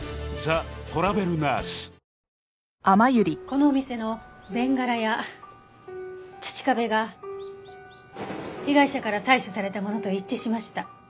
このお店のベンガラや土壁が被害者から採取されたものと一致しました。